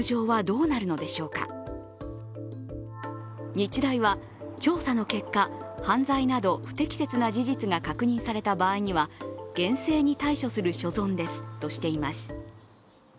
日大は、調査の結果犯罪など、不適切な事実が確認された場合には厳正に対処する所存ですとしています。